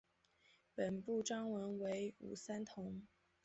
本部纹章为五三桐。